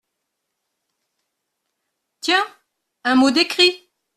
Tiens ! un mot d’écrit !